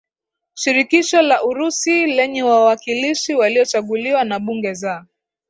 Shirikisho la Urusi lenye wawakilishi waliochaguliwa na bunge za